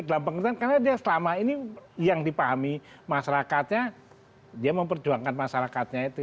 dalam pengertian karena dia selama ini yang dipahami masyarakatnya dia memperjuangkan masyarakatnya itu